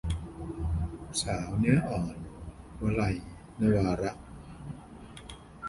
สาวเนื้ออ่อน - วลัย นวาระ